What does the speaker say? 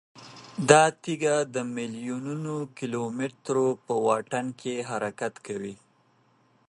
دا تیږه د میلیونونو کیلومترو په واټن کې حرکت کوي.